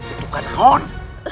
itu kan ron